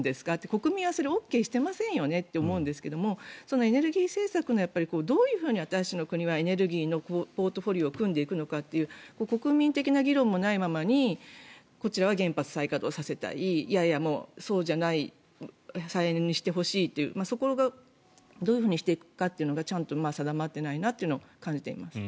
国民はＯＫしてませんよねと思うんですけどエネルギー政策をどういうふうに私たちの国はエネルギーのポートフォリオを組んでいくかという国民的議論もないままにこちらは原発再稼働させたいいやいや、そうじゃない再エネにしてほしいというそこがどういうふうにしていくかというのがまだちゃんと定まっていないなというのを感じています。